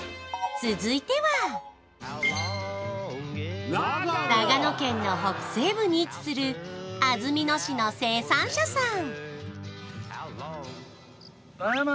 続いては長野県の北西部に位置する安曇野市の生産者さん